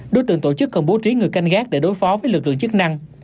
đối tượng tổ chức cần bố trí người canh gác để đối phó với lực lượng chức năng